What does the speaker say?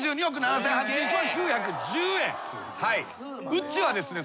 うちはですね